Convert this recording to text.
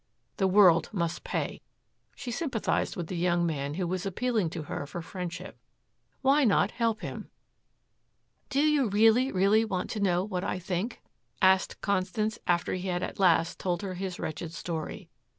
The world must pay. She sympathized with the young man who was appealing to her for friendship. Why not help him? "Do you really, really want to know what I think?" asked Constance after he had at last told her his wretched story.